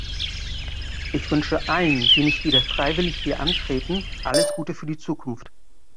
Ich wünsche allen, die nicht wieder freiwillig hier antreten, alles Gute für die Zukunft.